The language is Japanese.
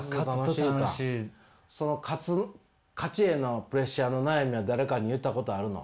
勝ちへのプレッシャーの悩みは誰かに言ったことあるの？